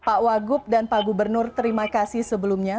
pak wagub dan pak gubernur terima kasih sebelumnya